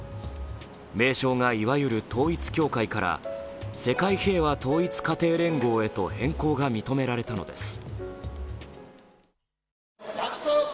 名称がいわゆる統一教会から世界平和統一家庭連合へと変更が認められたのです。